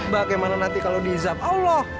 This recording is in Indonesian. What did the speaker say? bagaimana nanti kalau dihizab allah